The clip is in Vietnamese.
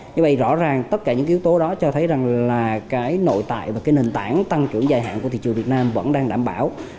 như vậy rõ ràng tất cả những yếu tố đó cho thấy rằng là cái nội tại và cái nền tảng tăng trưởng dài hạn của thị trường việt nam vẫn đang đảm bảo